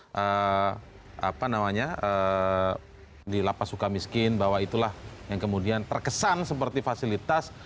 di apa namanya di lapas suka miskin bahwa itulah yang kemudian terkesan seperti fasilitas